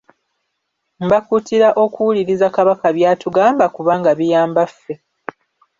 Mbakuutira okuwuliriza Kabaka by'atugamba kubanga biyamba ffe.